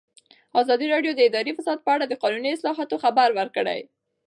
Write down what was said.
ازادي راډیو د اداري فساد په اړه د قانوني اصلاحاتو خبر ورکړی.